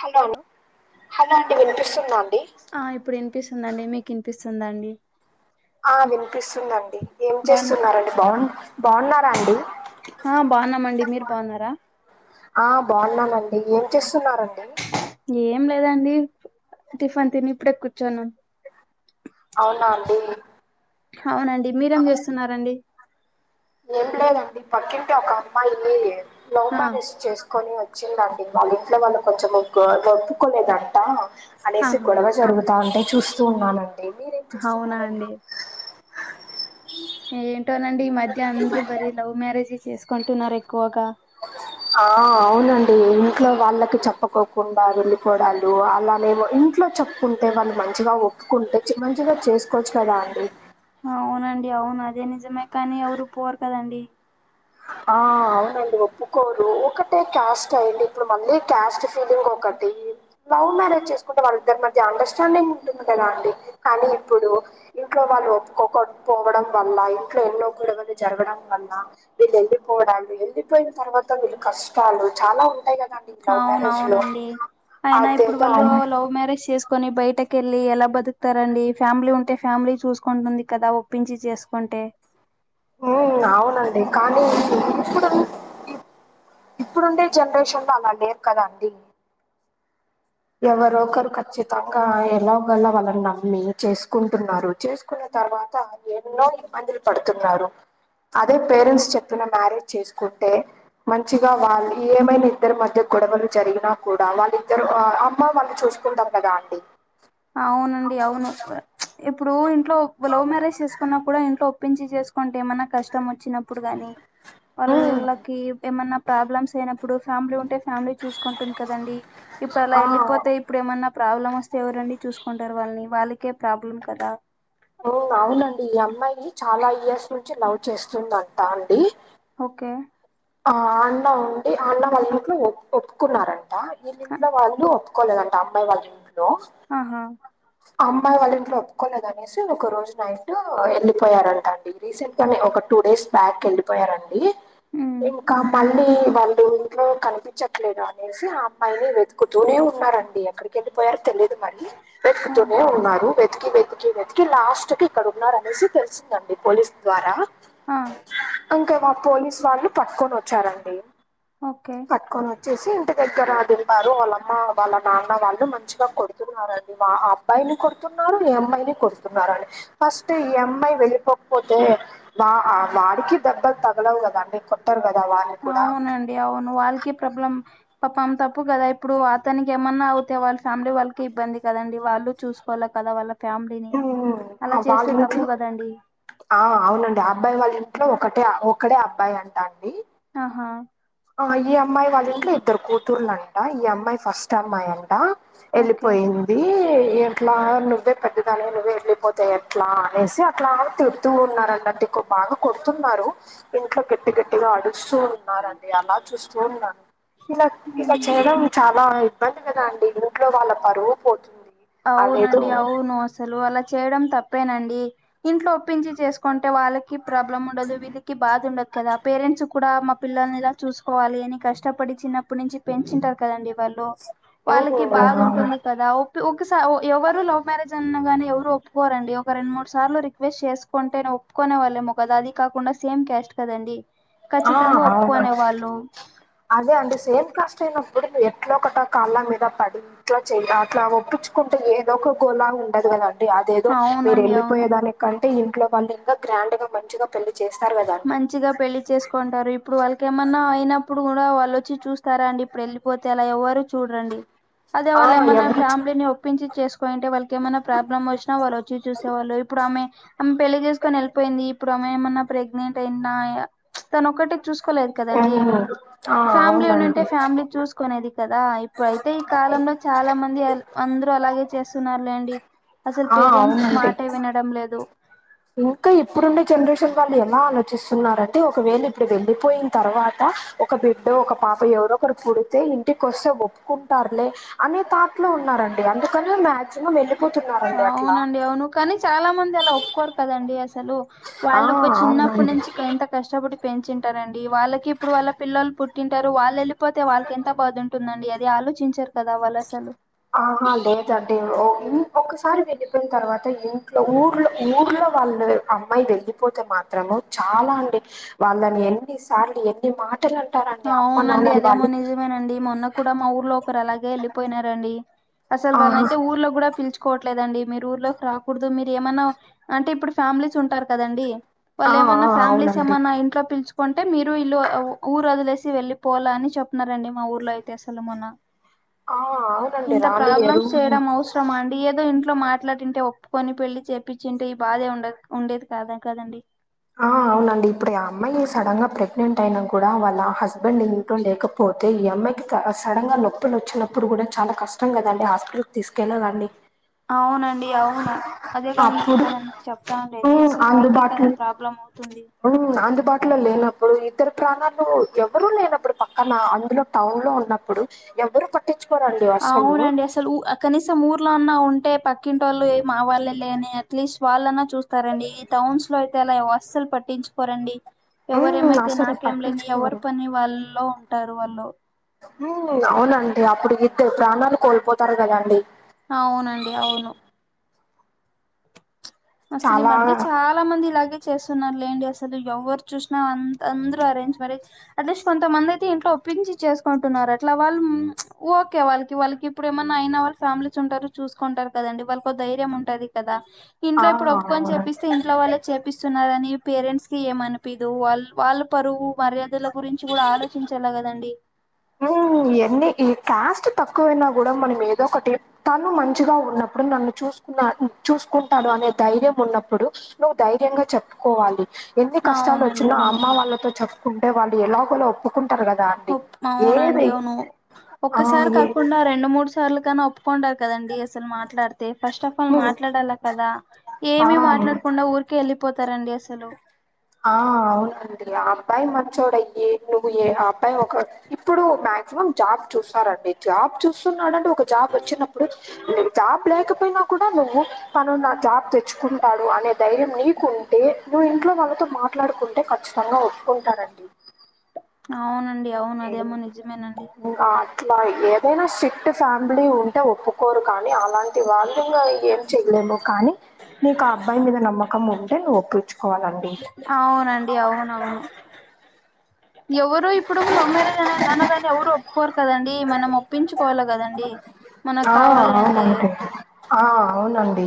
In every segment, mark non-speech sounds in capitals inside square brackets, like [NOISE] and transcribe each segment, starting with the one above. Hello అన్ hello అండి వినిపిస్తుందా అండి ఆ ఇప్పుడు ఇన్పిస్తుందండి మీకి ఇన్పిస్తుందా అండి ఆ వినిపిస్తుందండి ఏం బాగు చేస్తున్నారండి బాన్ ఆ బాన్నమండి మీరు బావున్నర ఆ బావున్న మండి ఏం చేస్తున్నారండి ఏం లేదండి టిఫెన్ తిని ఇప్పుడే కూర్చోన్నామ్ అవునా అండీ హవునండి మీరేం జేస్తున్నారండి ఏం లేదండి పక్కింటి ఒక అమ్మాయి లవ్ ఆ మ్యారేజ్ చేస్కొని వ చ్చిందండి వాళ్ళింట్లో వాళ్ళు కొంచెం గో ఒప్పుకోలేదంట అనేసి ఆహా గొడవ జరుగుతా ఉంటే చూస్తూ ఉన్నానండి మీరేం అవునా చేస్తున్నారండి అండి ఏంటోనండి ఈ మధ్య అందరు బరే లవ్ మ్యారేజెస్ జేస్కుంటున్నారెక్కువగా అ [UNINTELLIGIBLE] ఆ అవునండి ఇంట్లో వాళ్ళకి చెప్పకోకుండా వెళ్ళి పోడాలు అలానేమొ ఇంట్లో చొప్కుంటే వాళ్ళు మంచిగా ఒప్పుకుంటే మంచిగా చేసకోచ్చు కదా అండి అవునండి అవును అదే నిజమే కానీ ఎవురు పోరు కదండి ఆ అవునండి ఒప్పుకోరు ఒకటే క్యాస్ట్ అయ్యిండి ఇప్పుడు మళ్ళీ క్యాస్ట్ ఫీలింగ్ ఒక్క టి లవ్ మ్యారేజ్ చేస్కుంటే వాళ్ళిద్దరి మధ్య అండర్స్టాండింగ్ ఉంటుంది కదా అండి కానీ ఇప్పుడు ఇంట్లో వాళ్ళు ఒప్పుకోకపోవడం వల్ల ఇంట్లో ఎన్నో గొడవలు జరగడం వల్ల వీళ్ళు ఎళ్ళిపోడాలు ఎళ్ళిపోయ్ న్ తర్వాత వీళ్ళు కష్టాలు చాలా ఉంటాయ్ గద అవునువునండి అయిన ఇప్పుడు అదేదో వాళ్ళు అవు- లవ్ మ్యారేజ్ చేస్ కు కొని బయటకెళ్ళి ఎలా బతుక్తారండి ఫ్యామ్లీ ఉంటే ఫ్యామ్లీ చూస్కొంటుంది కదా ఒప్పించి చేస్కుంటె ఓ అవునండి కానీ ఇపుడు ఇప్పుడుండే జండ్రేషన్ లో అలా లేరు కదా అండి ఎవరొ ఒకరు ఖచ్చితంగా ఎలాగలా వాళ్ళని నమ్మి చేసుకుంటున్నారు చేస్ కున్న తర్వాత ఎన్నో ఇబ్బందులు పడుతున్నారు అదే పేరెంట్స్ చెప్పిన మ్యారేజ్ చేసుకుంటే మంచిగా వాళ్ళు ఏమైనా ఇద్దరు మధ్య గొడవలు జరిగినా కూడా వాళ్ళ ఇద్దరు అ అమ్మ వాళ్ళు చూసుకుంటారు కదా అండి అవునండి అవును ఇప్పుడు ఇంట్లో ఒప్పు లవ్ మ్యారేజ్ చేసుకున్నా కూడా ఇంట్లో ఒప్పించి చేసుకుంటే ఏమన్నా క ష్టం వచ్చినప్పుడు గాని వళ్ళకి ఏమన్నా ప్రాబ్లమ్స్ అయినప్పుడు ఫ్యామిలీ ఉంటే ఫ్యామిలీ చూసుకుంటుంది కదండి ఇప్పుడు అలా ఆ వెళ్ళిపోతే ఇప్పుడు ఏమన్నా ప్రాబ్లమ్ వస్తే ఎవరండి చూసుకుంటారు వాళ్ళని వాళ్ళకే ప్రాబ్లం కదా ఓ అవునండి ఈ అమ్మాయి చాలా ఇయర్స్ నుంచి లవ్ చేస్తుందంటా అండి ఓకే ఆ అన్న ఉండి ఆ అన్న వాళ్ళ ఇంట్లో ఒప్పుకున్నారంట వీళ్ళ ఆ- ఇంట్లో వాళ్ళు ఒప్పు ఒప్పుకోలేదంట అమ్మాయి వాళ్ళ ఇంట్లో ఆహా అమ్మాయి వాళ్ళ ఇంట్లో ఒప్పుకోలేదు అనేసి ఒక రోజు నైట్ వెళ్ళిపోయారంట అండి రీసెంట్ గా నే ఒక టూ డేస్ బ్యాక్ వెళ్ళిపోయారండి ఉమ్ ఇంకా మళ్ళీ వాళ్ళు ఇంట్లో కనిపించట్లేదు అనేసి ఆ అమ్మాయిని వెతు తుకుతూనే ఉన్నారండి ఎక్కడికి వెళ్ళిపోయారో తెలియదు మళ్ళీ ఆ వెతుకుతూనే ఉన్నారు వెతికి వెతికి వెతికి లాస్ట్ కి ఇక్కడ ఉన్నారు అనేసి తెలిసిందండి పోలీసు ద్వారా ఆ ఇంకా పోలీస్ వాళ్ళు పట్టుకొని వచ్చారండి ఓకే పట్టుకొని వచ్చేసి ఇంటి దగ్గర దింపారు వాళ్ళ అమ్మ వాళ్ళ నాన్న వాళ్ళు మంచిగా కొడుతున్నారు అ ఆ అబ్బాయిని కొడుతున్నారు ఈ అమ్మాయిని కొడుతున్నారు అండి ఫస్ట్ ఈ అమ్మాయి వెళ్ళిపోకపోతే వా వాడికి దెబ్బలు తగలవు కదాండి కొట్టారు కదా వాళ్ళు కూడా ఏ అవును వాళ్ళకి ప్రాబ్లమ్ పాపం తప్పు కదా ఇప్పుడు అతనికి ఏమన్నా అవుతే వాళ్ళ ఫ్యామిలీ వాళ్ళకి ఇబ్బంది కదండి వాళ్ళు చూసు కోల కదా వాళ్ళ ఫ్యామిలీని ఉమ్, ఆ అలా వాళ్ళ చేస్తే తప్పు ఇంట్లో కదండి ఆ అవునండి అబ్బాయి వాళ్ళ ఇంట్లో ఒకటే ఒకడే అబ్బాయి అంటా అండి ఆహా ఆ ఈ అమ్మాయి వాళ్ళ ఇంట్లో ఇద్దరు కూతుర్లంట ఈ అమ్మాయి ఫస్ట్ అమ్మాయి అంట ఓకే వెళ్ళిపోయింది ఎట్లా నువ్వే పెద్దదానివి నువ్వే వెళ్ళిపోతె ఎట్లా అనేసి అట్లానే తిడుతూ ఉన్నారంట అండి బాగా కొడుతున్నారు ఇంట్లో గట్టి గట్టిగా అడుస్తూ ఉన్నారండి అలా చూస్తూ ఉన్నాను ఇలా ఇలా ఉమ్. చేయడం చాలా ఇబ్బంది కదా అండి ఇంట్లో వాళ్ళ పరువు పోతుంది అదేదో అవునండి అవును అసలు అలా చేయడం తప్పేనండి ఇంట్లో ఒప్పించి చేసుకుంటే వాళ్ళకి ప్రాబ్లం ఉండదు వీళ్ళకి బాధ ఉండదు కదా పేరెంట్స్ కూడా మా పిల్లల్ని ఇలా చూసుకోవాలి అని కష్టపడి చిన్నప్పటి నుంచి పెంచుంటారు కదండి వాళ్ళు వాళ్ళకి బాధ ఉంటుంది కదా ఓ ఒకసారి ఎవరు లవ్ మ్యారేజ్ అన్నాగానీ ఎవరు ఒప్పుకోరండి ఒక రెండు మూడు సార్లు రిక్వెస్ట్ చేసుకుంటే ఒప్పుకునే వాళ్ళేమో కదా అది కాకుండా సేమ్ క్యాస్ట్ కదండి ఆ ఖచ్చితంగా అవునండి ఒప్పుకునే వాళ్ళు అదే అండి సేమ్ కాస్ట్ అయినప్పుడు ఎట్ల ఒకటో కాళ్ళ మీద పడి ఇట్ల చెయ్ అట్లా ఒప్పిచుకుంటే ఏదో ఒక గోలా ఉండదు కదా అదేదో మీరు అవునండి అవును వెళ్ళిపోయే దాని కంటే, ఇంట్లో వాళ్ళు ఇంకా గ్రాండ్ గా మంచిగ మంచిగా పెళ్లి చేసుకుంటారు ఇప్ ఇప్పుడు వాళ్కి ఏమన్నా అయినప్పుడు కూడా వాళ్ళు వచ్చి చూస్తారా అండి ఇప్పుడు ఎళ్ళిపోతే అలా ఎవరు చూడంరడి. అదే ఆ వాళ్లేమన్న ఎవరు చ- ఫ్యామిలీని ఒప్ ప్పించి చేసుకోయింటే వాళ్ళకి ఏమన్న ప్రాబ్లం వచ్చినా వాళ్లొచ్చి చూసేవాళ్ళు. ఇప్పుడు ఆమె ఆమె పెళ్లి చేసుకొని ఎళ్ళిపోయింది ఇప్పుడు ఆమె ఏమన్నా ప్రెగ్నెంట్ అయినా తనొకటి చూస్ కోలేదు కదండి ఉమ్, ఆ ఫ్యామిలీ వున్నింటే అవునండి ఫ్యామిలీ చూస్ కునేది కదా ఇప్పుడు అయితే ఈ కాలంలో చాల మంది అల్ అందరూ అలాగే చేస్తున్నారులేండి. అసలు ఆ పేరెంట్స్ అవునండి మాటే వినడం లేదు. ఇంకా ఇప్పుడుండే జనరేషన్ వాళ్ళు ఎలా ఆలోచిస్తున్నారంటే ఒకవేళ ఇప్పుడు వెళ్ళలిపోయిన్ తర్వాత ఒక బిడ్డో ఒక పాపో ఎవరొకరు పుడితే ఇంటికోస్తే ఒప్పుకుంటారులే అనే తాట్లో ఉన్నారండి, అందుకని మాక్సిమం వెళ్ళిపోతున్నారండి అట్లా. అవునండి అవును కానీ చాలా మంది అలా ఒప్పుకోరు కదండి అసలు, ఆ వాళ్ళు పయ్ చిన్నప్పటి అవునండి నుంచి ఎంత కష్టపడి పెంచింటారండీ. వాళ్ళకి ఇప్పుడు వాళ్ళ పిల్లలు పుట్టింటారు, వాళ్ళు వెళ్ళిపోతే వాల్కి ఎంత బాధ ఉంటుందండి అది ఆలోచించరు కదా వాళ్ళసలు ఆహా లేదండి ఓ ఒకసారి వెళ్ళిపోయిన తర్వాత ఇంట్లో ఊర్లో ఊర్లో వాళ్ళు అమ్మాయి వెళ్ళపోతే మాత్రము చాలా అండి వాళ్ళని ఎన్ని సార్లు ఎన్ని మాట్ టలు అంటారండి అమ్మ నాన్నలు అదేమో వాళ్ళు అవునండి మొన్న కూడా మా ఊర్లో ఒకరు అలాగే వెళ్ళపోయినారండి. అసలు ఆహా వాళ్ళనయితె ఊర్లో కూడ పిల్చు కోవట్లేదండి మీరు ఊర్లోకి రాకూడదు. మీరు ఏమన్నా అంటే ఇప్పుడు ఫ్యామిలీస్ ఉంటరు కదండి ఆ వాళ్ళు ఏమన్న ఆ ఫ్యామిలీస్ అవునండి ఏమన్న ఇంట్లో పిల్చుకుంటే మీరు ఇల్లు అవ్ ఊరు వదిలేసి వెళ్ళిపోవలి అని చెప్తునారండి మా ఊర్లో అయితే అసలు మొన్న. ఆ అవునండి ఇంత రానియరు ప్రాబ్లమ్స్ చేయడం అవుస్ రమా అండి ఏదో ఇంట్లో మాట్లాడింటే ఒప్పుకొని, పెళ్ళి చెపిచుంటే ఈ బాధే ఉండ ఉండేది కాద కదండి. ఆ అవునండి ఇప్పుడు ఆ అమ్మాయి సడన్ గా ప్రెగ్నెంట్ అయినా కూడా వాళ్ళ ఆ హస్బెండ్ తో లేకపోతే ఈ అమ్మాయికి క సడన్ గా నొ పు నొచ్చినప్పుడు కూడా చాలా కష్టం కదండి హాస్పిటల్కి తీసుకెళ్ళలండి. అవునండి అవును అదే కాన్ అప్పుడు కదన్ చెప్తాండేది. అసల్ వాళ్కే కదా ప్రాబ్లం అవుతుంది. ఉ అందుబాటులో లేనప్పుడు ఇద్దరు ప్రాణాలు ఎవరూ లేనప్పుడు పక్కన అందులో టౌన్ లో ఉన్నప్పుడు ఎవరు పట్ అవునండి అస్ అసలు ఆ కనీసం ఊర్లో అన్న ఉంటే పక్కింటోళు ఏ మా వాళ్ళలే అని అట్లీస్ట్ వాళ్ళన్నా చూస్ తరండి ఈ టౌన్స్ లో అయితే అలా అసలు పట్టించుకోరండి. ఎవరు హ్మ్. ఏమైతే అసలు నాకేం లే అని ఎవరి పట్టించుకోరు. పని వాళ్ళలో ఉంటారు వాళ్ళు. మ్ అవునండి అప్పుడు ఇద్దర్ ప్రాణాలు కోల్పోతారు కదండి. అవునండి అవును అసలు ఈ చాలా మధ్య చా లా మంది ఇలాగే చేస్తున్నారు లేండి. అసలు ఎవ్వరు చూసినా అంద్ అందరూ అరేంజ్ మ్యారేజ్ అట్లీస్ట్ కొంతమంది అయితే ఇంట్లో ఒప్పించి చేసుకుంటున్నారు. అట్లా వాల్ ఉమ్ ప్చ్ ఓకే వాళ్ళకి వాళ్ళకి ఇప్పుడు ఏమన్నా అయినా వాళ్ళ ఫ్యామిలీస్ ఉంటారు చూసుకుంటారు కదండి, వాళ్ళకో ధైర్యం ఉంటది కదా. ఇంట్లో ఆ! ఇప్పుడు ఒప్పుకొన్ అవును. చెపిస్ తే ఇంట్లో వాళ్ళే చేపిస్తున్నారని పేరెంట్స్ కి ఏమనిపియదు వాళ్ వాళ్ళ పరువు మర్యాదల గురించి కూడా ఆలోచించాల కదండి ఓ ఎన్ని ఈ కాస్ట్ తక్కువైనా గూడా మనం ఏదోకటి తన్ను మన్ చిగా ఉన్నప్పుడు నన్ను చూసుకున్నా చూసుకుంటాడు అనే ధైర్యం ఉన్నప్పుడు నువ్ ధైర్యంగా చెప్పుకోవాలి ఎన్ని అవునండి కష్టాలొచ్చిన అవును అమ్మ వాళ్ళతో చెప్పుకుంటే వాళ్ళు ఎలాగోల ఒప్పుకుంటారు గదా అండి ఒప్ అవునండి ఏది అవును ఆ! ఒక్కసారి ఏ కాకుండ రెండు మూడు స్ సార్లు కన్నా ఒప్పుకుంటారు కదండి అస్సలు మాట్లాడత్ తె ఫస్ట్ ఆఫ్ ఆల్ మాట్లాడాల కదా ఏమి ఆ! మాట్లాడకుండా ఊరికే ఎళ్ళిపోతారండి అసలు ఆ అవునండి ఆ అబ్బాయి మంచోడయ్యి నువ్వు ఏ ఆ అబ్బాయి ఒక ఇప్పుడు మాక్సిమం జాబ్ చూస్తారండి జాబ్ చూస్తున్నాడంటే ఒక జాబ్ వచ్చినప్పుడు ను జాబ్ లేకపోయినా కూడా నువ్వు తను నా జాబ్ తెచ్చుకుంటాడు అనే ధైర్యం నీకుంటే నువ్వు ఇంట్లో వాళ్ళతో మాట్లాడుకుంటే ఖచ్చితంగా ఒప్పుకుంటారండి అవునండి అవును అదేమో నిజమేనండి ఇంగట్ల ఏదైనా స్ట్రిక్ట్ ఫ్యామిలీ ఉంటే ఒప్పుకోరు కానీ అలాన్ టి వాల్లింగ ఏం చెయలేము కానీ నీకు ఆ అబ్బాయి మీద నమ్మకం ఉంటే నువ్ ఒప్పిచ్ కోవాలండి అవునండి అవునవును ఎవరు ఇప్పుడు లవ్ మ్యారేజ్ అనే అనగానే ఎవరు ఒప్ ఒప్పుకోరు కదండి మనం ఒప్పించుకోవాల గదండి ఆ అవును అంతే ఆ అవునండి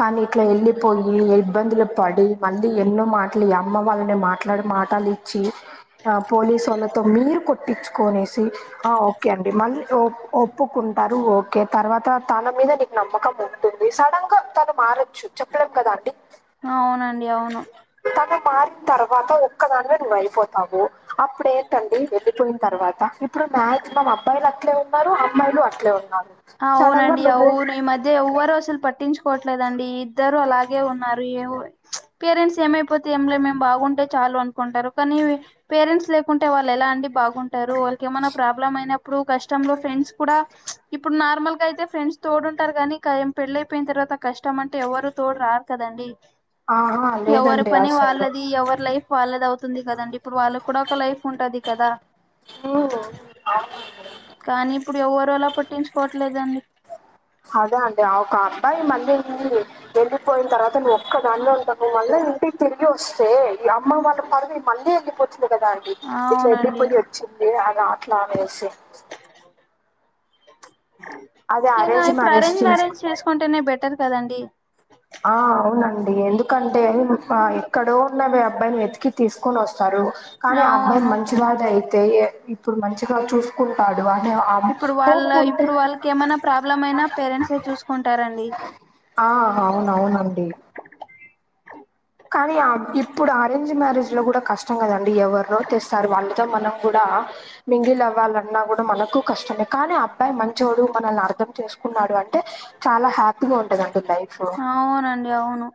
కనీ ఇట్ల ఎళ్ళిపోయి ఇగ ఇబ్బందులు పడి మళ్ళీ ఎన్నో మాట్లియీ అమ్మ వాళ్ళని మాట్లాడె మాటలిచ్చి ఆ పోలీసోళ్లతో మీరు కొట్టిచ్చుకొనేసి ఆ ఓకే అండి మళ్ళీ ఓ ఒప్పుకుంట్ టారు ఓకే తర్వాత తన మీద నీకు నమ్మకం ఉంటుంది సడన్ గా తను మారొచ్చు చెప్పలేం కదా అండి అవునండి అవును తను మారిన్తర్వాత ఒక్ క్కదానివే నువ్ అయిపోతావు అప్పుడేంటండి వెళ్ళిపోయిన్తర్వాత ఇప్పుడు మాక్సిమం అబ్బాయిలు అట్లే ఉన్నారు, అమ్మాయిలు అట్లే ఉన్నారు సడన్ గా అవునండి నువ్వు అవును ఈ మధ్య ఎవ్వరు అసలు పట్టించుకోట్లేదండి ఇద్దర్ రు అలాగే ఉన్నారు ఏమో పేరెంట్స్ ఏమైపోతే ఏమ్లే మేం బాగుంటే చాలు అనుకుంటరు కనీ పేరెంట్స్ లేకుంటే వాళ్ళు ఎలా అండి బాగుంటారు వాళ్ళకేమన్న ప్రాబ్లం అయినప్పుడు కష్టంలో ఫ్రెండ్స్ కూడా ఇప్పుడు నార్మల్ గయితే ఫ్రెండ్స్ తోడుంటారు కనీ క ఏం పెళ్ళయిపోయిన్తర్వాత కష్టం అంటే ఎవరు తోడు రారు కదండి ఆహా ఎవరి లేదండి పని అసలు వాళ్ళది ఎవరి లైఫ్ వాళ్ళది అవుతుంది కదండి ఇప్పుడు వాళ్ళక్కూడా ఒక లైఫ్ ఉంటది కదా కానీ ఇప్పుడు ఎవరూ అలా పట్టించుకోట్లేదండి అదే అండి ఆ ఒక అబ్బాయి మళ్ళీని [UNINTELLIGIBLE] ఎళ్ళిపోయిన్తర్వాత నువ్వు ఒక్కదానివే ఉంటావు మళ్ళ ఇంటికి తిరిగి వస్తే ఈ అమ్మ వాళ్ళ పరువు మళ్ళీ ఎళ్ళిపోచ్చు కదా అండి ఇట్ల అవునండి ఎళ్ళిపోయి ఎట్ చ్చింది అది అట్లానేసి అది అయినా అరేంజ్ ఇప్పుడు అరేంజ్ చేసి మ్యారేజ్ చేసుకుంటేనే బెటర్ కదండి ఆ అవునండి ఎందుకంటే ఆ ఎక్కడో ఉన్నవ దె అబ్బాయిని వెతికి తీసుకొనొస్తారు కానీ ఆ అబ్బాయి అవును మంచివాడు అయితే ఇప్పుడు మంచిగా చూసుకుంటాడు అని ఆ ఇప్పుడు వాళ్ళ ఇప్పుడు వాళ్ళకి ఏమైనా ప్రాబ్లం అయినా పేరెంట్సే చూసుకుంటారండి ఆ అవును అవునండి కానీ ఆ ఇప్పుడు అరేంజ్ మ్యారేజ్ లో కూడా కష్ టం కదండి ఎవరినో తెస్తారు వాళ్ళతో మనం కూడా మింగిల్ అవ్వాలన్నా కూడా మనకు కష్టమే కానీ అబ్బాయి మంచోడు మనల్ని అర్థం చేసుకున్నాడు అంటే చాలా హ్యాపీగా ఉంటదండి లైఫ్ అవునండి అవును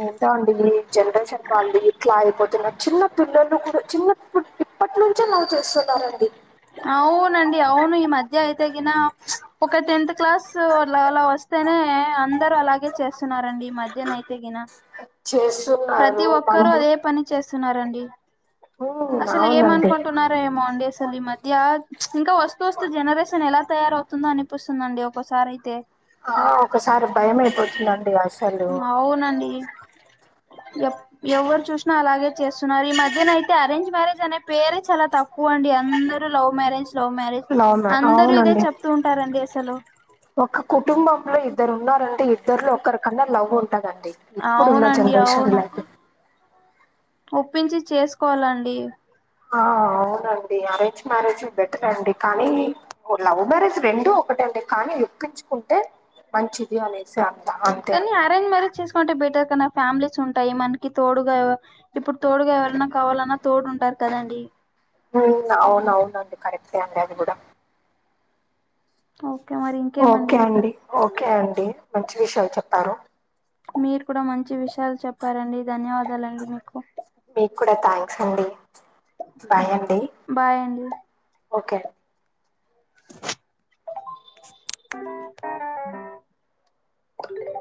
ఏంటో అండి ఈ జనరేషన్ వాళ్ళు ఇట్లా అయిపోతున్నారు చిన్న పిల్లలు కూడా చిన్న ఇప్పుడు ఇప్పటి నుంచే లవ్ చేస్తున్నారండి అవునండి అవును ఈ మధ్య అయితేగిన ప్చ్ ఒక టెన్త్ క్లాస్ అలా అలా వస్తేనే అందరు అలాగే చేస్తున్నారండి ఈ మధ్యన అయితేగిన చేస్సున్నారు కానీ అదే పని చేస్తున్నారండి అసలు ఏం అనుకొంటున్నారో ఏమో అండి అసలీ మ ధ్య ప్చ్ ఇంకా వస్తూ వస్తూ జనరేషన్ ఎలా తయారవుతుందో అనిపిస్తుందండి ఒకసారి అయితే ఆ ఒకసారి భయం అయిపోతుందండి అసలు అవునండి ఎప్ ఎవ్వరు చూసినా అలాగే చేస్తున్నారు ఈ మధ్యనై మ్యారేజ్ అనే పేరే చాలా తక్ కువ అండి అందరూ love marriage love marriage love మ్యా అందరూ ఇదే చెప్తూ ఉంటారండి అసలు ఒక్క కుటుంబంలో ఇద్దరు ఉన్నారంటే ఇద్దరులో ఒక్కరికన్నా లవ్ ఉం టది అండి ఇప్పుడున్న అవునండి అవును జనరేషన్లో అయితే ఒప్పించి చేసుకోవాలండి ఆ అవునండి అరేంజ్ మ్యారేజ్ బెటర్ అండి కానీ లవ్ మ్యారేజ్ రెండు ఒకటే అండి కానీ ఒప్పించుకుంటే మంచి ది అనేసి అంత అంతే కానీ అండి అరేంజ్ మ్యారేజ్ చేసుకుంటే బెటర్ కానీ ఫ్యామిలీస్ ఉంటాయి మనకి తోడుగా ఇప్పుడు తోడుగా ఎవరన్నా కావాలన్నా తోడు ఉంటారు కదండి హ్మ్ అవును అవునుండి కరక్టే అండి అది కూడా ఓకే మరి ఓకే ఇంకేమండి అండి ఓకే అండి మంచి విషయాలు చెప్పారు మీరు కూడా మంచి విషయాలు చెప్పారండి ధన్యవాదాలండి మీకు మీక్కూడా థ్యాంక్స్ అండి ఓకే బాయ్ అండి బాయ్ అండి ఓకే అ